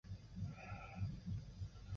此外担任中共第十二届中央候补委员。